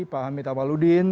pak hamid awaludin